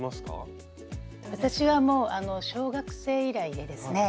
私はもうあの小学生以来でですね。